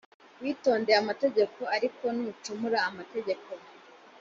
witondeye amategeko ariko nucumura amategeko